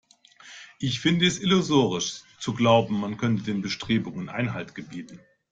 Ich finde es illusorisch zu glauben, man könne den Bestrebungen Einhalt gebieten.